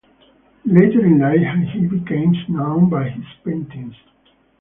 Later in life he became known by his paintings.